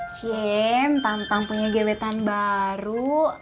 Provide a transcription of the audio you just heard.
cim tentang punya gebetan baru